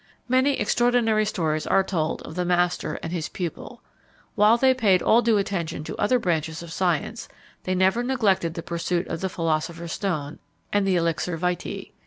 Many extraordinary stories are told of the master and his pupil. While they paid all due attention to other branches of science, they never neglected the pursuit of the philosopher's stone and the elixir vitæ.